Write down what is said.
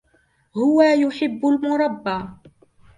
هو يحب المربى.